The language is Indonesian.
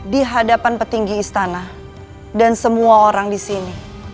di hadapan petinggi istana dan semua orang di sini